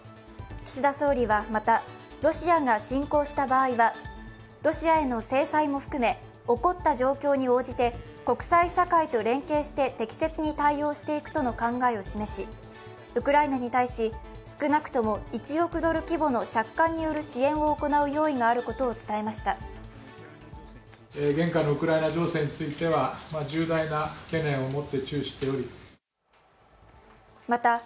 岸田総理はまた、ロシアが侵攻した場合は、ロシアへの制裁も含め起こった状況に応じて国際社会と連携して適切に対応していくとの考えを示しウクライナに対し、少なくとも１億ドル規模の借款による支援を行う用意があることを伝えました。